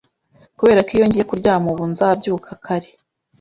"Kuberako iyo ngiye kuryama ubu nzabyuka kare."